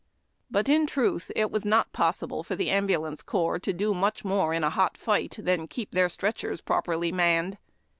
But, in truth, it was not possible for the ambulance corps to do much more in a hot fight than to keep their stretchers properly manned.